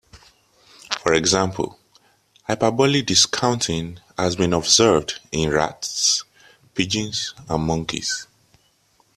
For example, hyperbolic discounting has been observed in rats, pigeons, and monkeys.